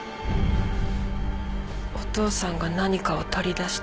お父さんが何かを取り出した。